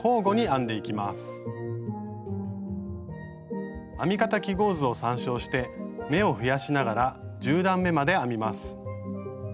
編み方記号図を参照して目を増やしながら１０段めまで編みます。